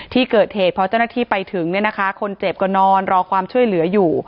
ที่เกิดเหตุพอเจ้าหน้าที่ไปถึงเนี่ยนะคะคนเจ็บก็นอนรอความช่วยเหลืออยู่